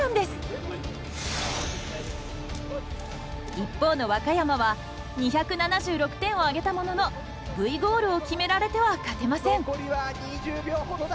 一方の和歌山は２７６点を挙げたもののＶゴールを決められては勝てません。